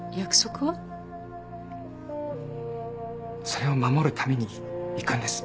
それを守るために行くんです。